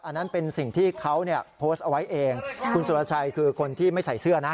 อันนั้นเป็นสิ่งที่เขาเนี่ยโพสต์เอาไว้เองคุณสุรชัยคือคนที่ไม่ใส่เสื้อนะ